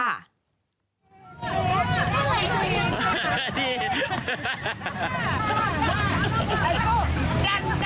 ดี